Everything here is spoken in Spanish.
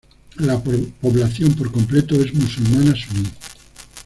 La población, por completo, es musulmana suní.